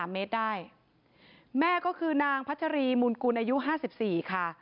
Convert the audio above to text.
แม่ก็คือนางพัชรีมูลกูลอายุ๕๔ค่ะ